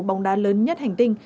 bóng đá lớn nhất hành tinh